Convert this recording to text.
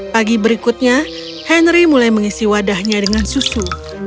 pagi berikutnya henry mulai mengisi wadahnya dengan susu